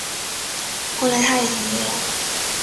后来他也同意了